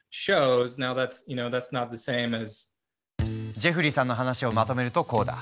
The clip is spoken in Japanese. ジェフリーさんの話をまとめるとこうだ。